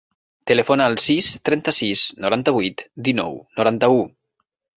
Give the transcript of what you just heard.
Telefona al sis, trenta-sis, noranta-vuit, dinou, noranta-u.